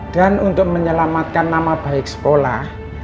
dan untuk menyelamatkan nama baik sekolah